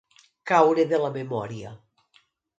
Caure de la memòria.